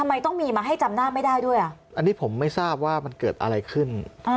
อันนี้ผมไม่ทราบว่ามันเกิดอะไรขึ้น